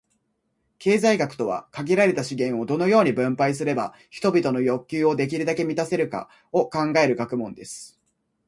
経済学とは、「限られた資源を、どのように分配すれば人々の欲求をできるだけ満たせるか」を考える学問です。